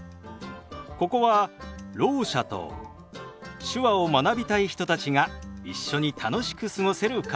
ここはろう者と手話を学びたい人たちが一緒に楽しく過ごせるカフェ。